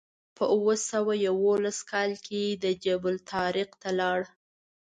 په اوه سوه یوولس کال کې جبل الطارق ته لاړ.